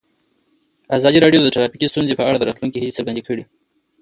ازادي راډیو د ټرافیکي ستونزې په اړه د راتلونکي هیلې څرګندې کړې.